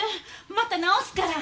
また直すから。